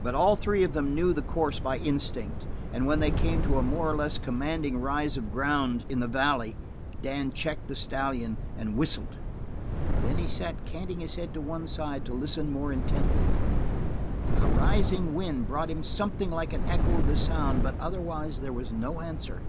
But all three of them knew the course by instinct, and when they came to a more or less commanding rise of ground in the valley Dan checked the stallion and whistled. Then he sat canting his head to one side to listen more intently. A rising wind brought about him something like an echo of the sound, but otherwise there was no answer.